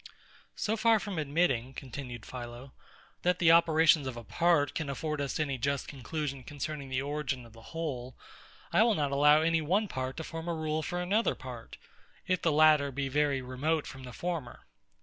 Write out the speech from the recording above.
So far from admitting, continued PHILO, that the operations of a part can afford us any just conclusion concerning the origin of the whole, I will not allow any one part to form a rule for another part, if the latter be very remote from the former.